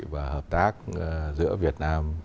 và hợp tác giữa việt nam